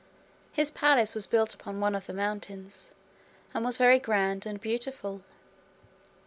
His palace was built upon one of the mountains, and was very grand and beautiful.